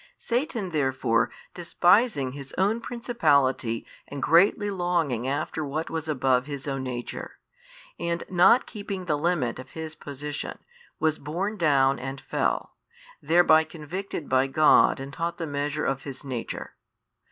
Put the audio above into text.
Satan therefore despising his own principality and greatly longing after what was above his own nature, and not keeping the limit of his position, was borne down and fell, thereby convicted by God and taught the measure of his nature.